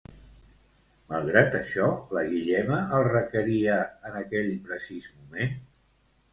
Malgrat això, la Guillema el requeria en aquell precís moment?